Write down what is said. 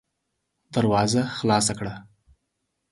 دروازه خلاصه کړه!